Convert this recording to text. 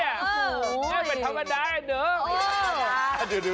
เนี่ยมันทำไมไนหนะ